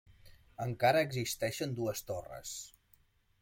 Encara existeixen dues torres.